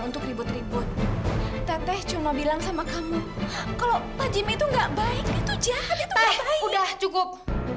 untuk ribut ribut teteh cuma bilang sama kamu kalau pak jim itu enggak baik itu jahat itu udah cukup